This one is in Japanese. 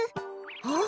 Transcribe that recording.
あっ！